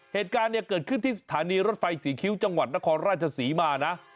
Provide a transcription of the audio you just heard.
เหตุการณ์เนี่ยเกิดขึ้นที่สถานีรถไฟศรีคิ้วจังหวัดนครราชศรีมานะ